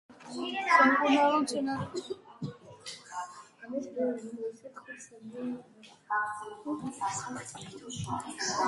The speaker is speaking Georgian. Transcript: სამკურნალო მცენარეების განსაკუთრებულ ჯგუფს ქმნის ანტიბიოტიკების წარმომქმნელი მცენარეები.